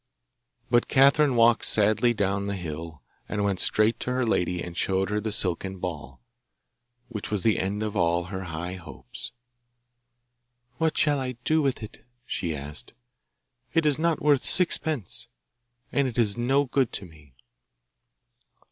But Catherine walked sadly down the hill, and went straight to her lady and showed her the silken ball, which was the end of all her high hopes. 'What shall I do with it?' she asked. 'It is not worth sixpence, and it is no good to me!